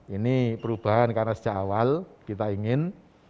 ini perubahan karena sejak awal kita ingin